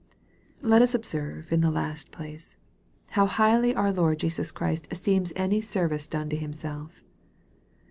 Let us observe, in the last place, how highly our lord 300 EXPOSITORY THOUGHTS. Jesus Christ esteems any service done to Himself.